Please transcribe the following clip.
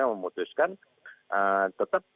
kami memutuskan tetap